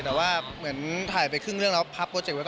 แต่ว่าเหมือนถ่ายไปครึ่งเรื่องแล้วพับโปรเจคไว้